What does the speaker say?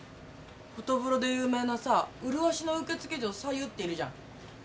フォトブロで有名なさ麗しの受付嬢さゆっているじゃん。